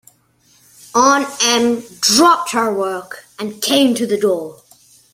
Aunt Em dropped her work and came to the door.